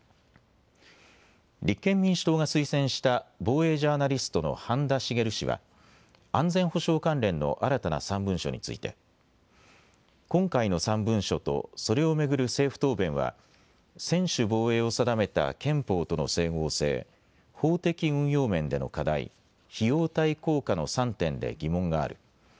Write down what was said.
立憲民主党が推薦した防衛ジャーナリストの半田滋氏は安全保障関連の新たな３文書について今回の３文書とそれを巡る政府答弁は専守防衛を定めた憲法との整合性、法的運用面での課題、費用対効果の３点で疑問がある。